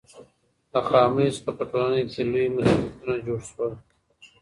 له خامیو څخه په ټولنه کې لوی مصیبتونه جوړ سول.